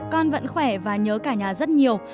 con vẫn khỏe và nhớ cả nhà rất nhiều